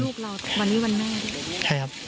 ลูกเราวันนี้วันแม่ด้วยใช่ครับ